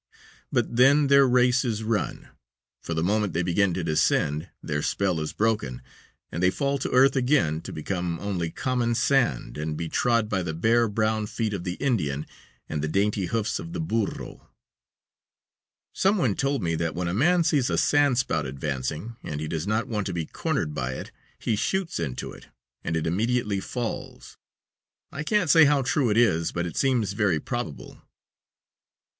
But then their race is run, for the moment they begin to descend their spell is broken, and they fall to earth again to become only common sand, and be trod by the bare, brown feet of the Indian, and the dainty hoofs of the burro. Some one told me that when a man sees a sand spout advancing, and he does not want to be cornered by it, he shoots into it and it immediately falls. I can't say how true it is, but it seems very probable.